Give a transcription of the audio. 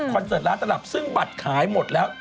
เสิร์ตร้านตลับซึ่งบัตรขายหมดแล้ว